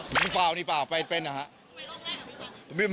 ไปสะว่ายกินอย่างร้อนแรกน่ะหรือเปลี่ยนป่ะ